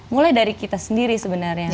mulai dari kita sendiri sebenarnya